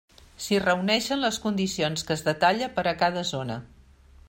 Si reuneixen les condicions que es detalla per a cada zona.